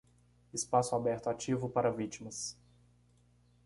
Espaço aberto ativo para vítimas